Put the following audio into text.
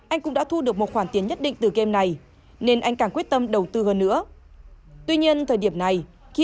anh cũng đã thu được một khoản rất là lớn đối với mình gần như là toàn bộ những gì mình có